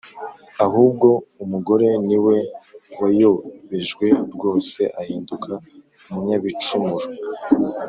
ahubwo umugore ni we wayobejwe rwose, ahinduka umunyabicumuro.